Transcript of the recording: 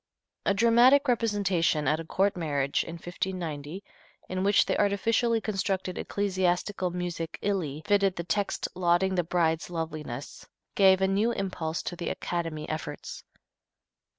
A dramatic representation at a court marriage, in 1590, in which the artificially constructed ecclesiastical music illy fitted the text lauding the bride's loveliness, gave a new impulse to the "Academy" efforts.